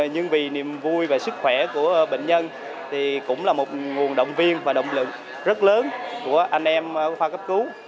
nhưng vì niềm vui và sức khỏe của bệnh nhân thì cũng là một nguồn động viên và động lực rất lớn của anh em khoa cấp cứu